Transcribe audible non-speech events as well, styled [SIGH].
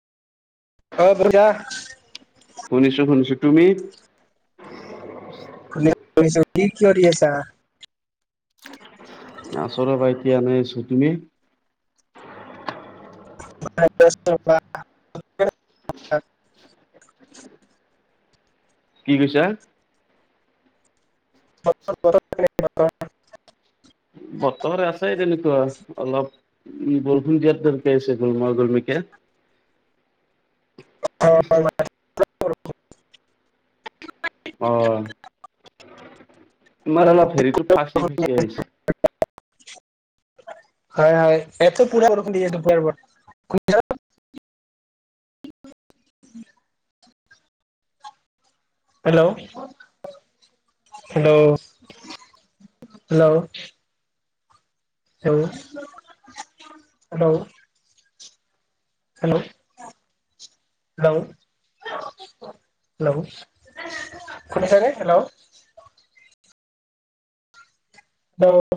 অ হ'ব দিয়া। শুনিছো শুনিছো। তুমি? শুনিছো শুনিছো। কি কৰি আছা? আছো ৰ'বা এতিয়া এনেই আছো। তুমি? [UNINTELLIGIBLE] কি কৈছা? [UNINTELLIGIBLE] [UNINTELLIGIBLE] বতৰ আছে তেনেকুৱা অলপ উম বৰষুণ দিয়া তেনকে আছে গৰমা গৰমিকে। অ [UNINTELLIGIBLE] অ তোমাৰ অলপ হেৰিটো ফাঁচি-ফিচি আহিছে। হয় হয় ইয়াটো পুৰা বৰষুণ দি আছে দুপৰীয়াৰ পৰা। শুনিছানে? Hello hello hello. Hello hello. Hello hello. Hello শুনিছানে হেল্ল'? হেল্ল'।